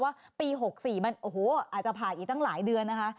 ว่าปี๖๔มันโอ้โหอาจจะผ่านอีกตั้งหลายเดือนนะคะ